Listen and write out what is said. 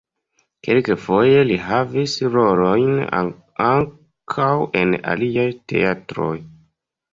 Kelkfoje li havis rolojn ankaŭ en aliaj teatroj.